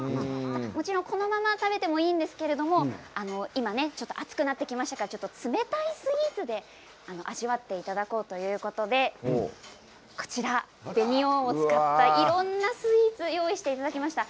もちろんこのまま食べていいんですけれど今、暑くなってきましたから冷たいスイーツで味わっていただこうということで紅王を使ったいろんなスイーツを用意していただきました。